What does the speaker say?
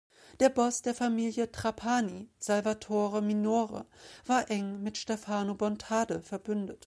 Der Boss der Familie von Trapani, Salvatore Minore, war eng mit Stefano Bontade verbündet.